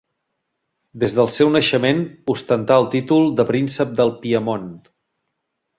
Des del seu naixement ostentà el títol de Príncep del Piemont.